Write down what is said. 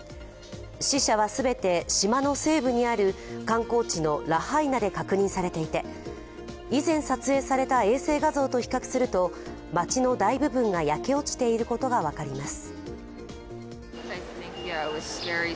死者は全て島の西部にある観光地のラハイナで確認されていて以前、撮影された衛星画像と比較すると町の大部分が焼け落ちていることが分かります。